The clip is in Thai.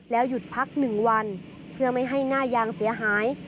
หยุดพัก๑วันเพื่อไม่ให้หน้ายางเสียหาย